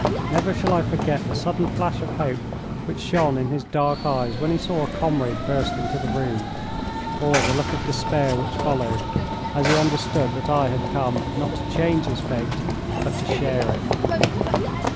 Never shall I forget the sudden flash of hope which shone in his dark eyes when he saw a comrade burst into the room, or the look of despair which followed as he understood that I had come not to change his fate but to share it.